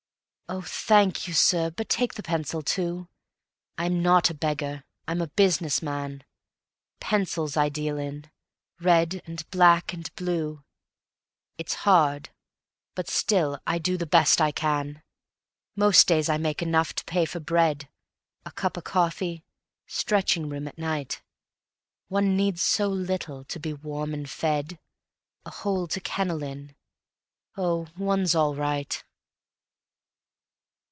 Oh, thank you, sir; but take the pencil too; I'm not a beggar, I'm a business man. Pencils I deal in, red and black and blue; It's hard, but still I do the best I can. Most days I make enough to pay for bread, A cup o' coffee, stretching room at night. One needs so little to be warm and fed, A hole to kennel in oh, one's all right